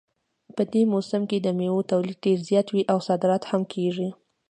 په دې موسم کې د میوو تولید ډېر زیات وي او صادرات هم کیږي